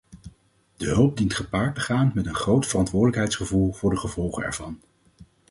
De hulp dient gepaard te gaan met een groot verantwoordelijkheidsgevoel voor de gevolgen ervan.